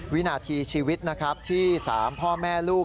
วินาทีชีวิตนะครับที่๓พ่อแม่ลูก